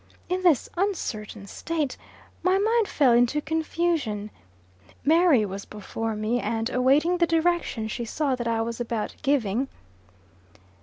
In this uncertain state, my mind fell into confusion. Mary was before me, and awaiting the direction she saw that I was about giving.